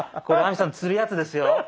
これ亜美さんつるやつですよ。